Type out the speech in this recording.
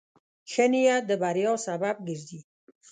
ښه نیت د بریا سبب ګرځي.